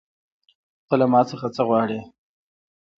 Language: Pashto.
ته له ما څخه څه غواړې